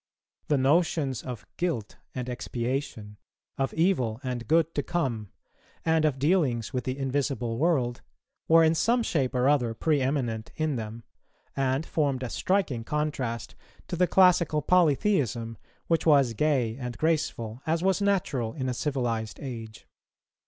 The notions of guilt and expiation, of evil and good to come, and of dealings with the invisible world, were in some shape or other pre eminent in them, and formed a striking contrast to the classical polytheism, which was gay and graceful, as was natural in a civilized age.